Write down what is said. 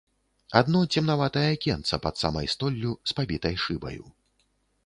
Адно цемнаватае акенца, пад самай столлю, з пабітай шыбаю.